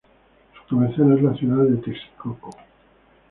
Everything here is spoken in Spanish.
Su cabecera es la ciudad de Texcoco.